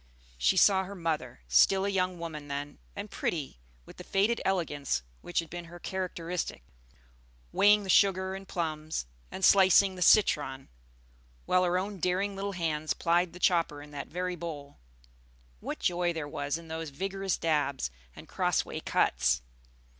She saw her mother, still a young woman then, and pretty with the faded elegance which had been her characteristic, weighing the sugar and plums, and slicing the citron, while her own daring little hands plied the chopper in that very bowl. What joy there was in those vigorous dabs and cross way cuts!